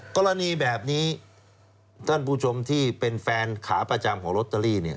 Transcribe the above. กรณีแบบนี้ท่านผู้ชมที่เป็นแฟนขาประจำของลอตเตอรี่